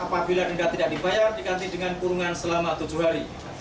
apabila denda tidak dibayar diganti dengan kurungan selama tujuh hari